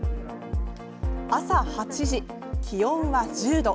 朝８時、気温は１０度。